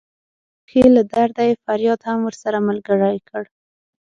د پښې له درده یې فریاد هم ورسره ملګری کړ.